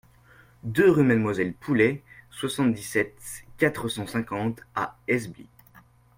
deux rue Mademoiselle Poulet, soixante-dix-sept, quatre cent cinquante à Esbly